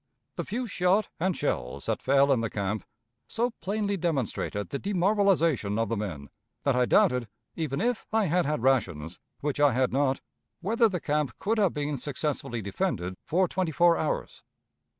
The few shot and shells that fell in the camp so plainly demonstrated the demoralization of the men, that I doubted, even if I had had rations, which I had not, whether the camp could have been successfully defended for twenty four hours.